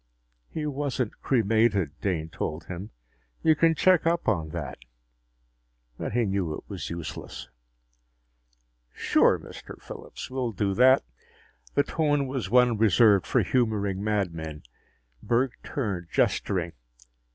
"He wasn't cremated," Dane told him. "You can check up on that." But he knew it was useless. "Sure, Mr. Phillips. We'll do that." The tone was one reserved for humoring madmen. Burke turned, gesturing.